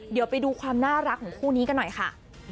เดี๋ยวไปดูความน่ารักของคู่นี้กันหน่อยค่ะ